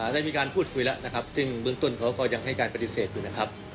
ได้มีการพูดคุยแล้วนะครับซึ่งเบื้องต้นเขาก็ยังให้การปฏิเสธอยู่นะครับ